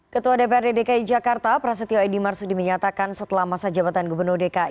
ketua dprd dki jakarta prasetyo edi marsudi menyatakan setelah masa jabatan gubernur dki